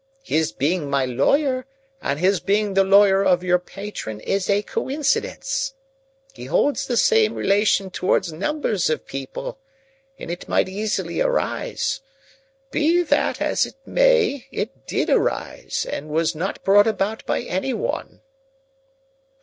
His being my lawyer, and his being the lawyer of your patron is a coincidence. He holds the same relation towards numbers of people, and it might easily arise. Be that as it may, it did arise, and was not brought about by any one."